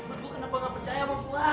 aduh lu kenapa gak percaya sama gua